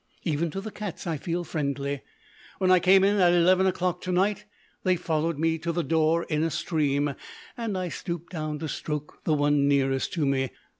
Even to the cats I feel friendly. When I came in at eleven o'clock to night they followed me to the door in a stream, and I stooped down to stroke the one nearest to me.